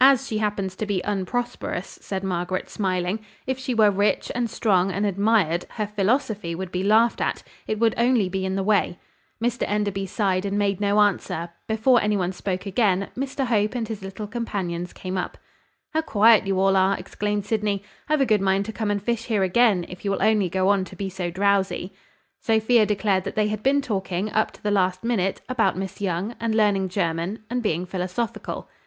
"As she happens to be unprosperous," said Margaret, smiling. "If she were rich, and strong, and admired, her philosophy would be laughed at; it would only be in the way." Mr Enderby sighed, and made no answer. Before any one spoke again, Mr Hope and his little companions came up. "How quiet you all are!" exclaimed Sydney. "I've a good mind to come and fish here again, if you will only go on to be so drowsy." Sophia declared that they had been talking, up to the last minute, about Miss Young, and learning German, and being philosophical.